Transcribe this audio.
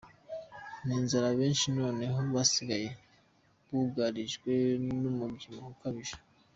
n’inzara abenshi noneho basigaye bugarijwe n’umubyibuho ukabije.